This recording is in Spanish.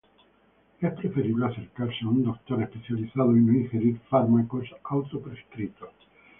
Es preferible acercarse a un doctor especializado y no ingerir fármacos auto prescritos.